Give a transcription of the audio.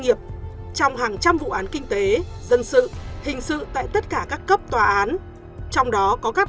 nghiệp trong hàng trăm vụ án kinh tế dân sự hình sự tại tất cả các cấp tòa án trong đó có các